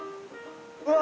うわ！